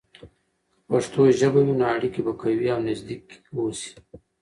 که پښتو ژبه وي، نو اړیکې به قوي او نزدیک اوسي.